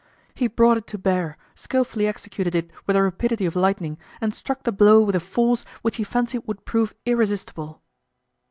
He brought it to bear, skillfully executed it with the rapidity of lightning, and struck the blow with a force which he fancied would prove irresistible.